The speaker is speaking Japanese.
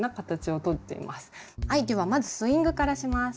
はいではまずスイングからします。